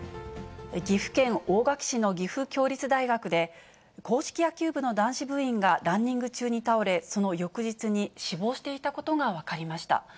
岐阜県大垣市の岐阜協立大学で、硬式野球部の男子部員がランニング中に倒れ、その翌日に死亡していたことが分かりました。